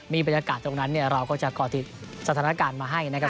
มีบรรยากาศตรงนั้นเราก็จะก่อติดสถานการณ์มาให้นะครับ